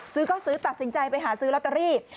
ซื้อก็ซื้อตัดสินใจไปหาซื้อลอตเตอรี่